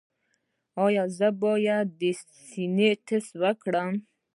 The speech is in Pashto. ایا زه باید د سینې ټسټ وکړم؟